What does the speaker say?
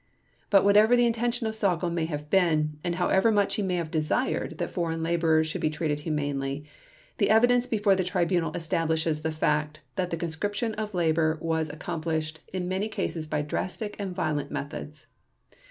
But whatever the intention of Sauckel may have been, and however much he may have desired that foreign laborers should be treated humanely, the evidence before the Tribunal establishes the fact that the conscription of labor was accomplished in many cases by drastic and violent methods.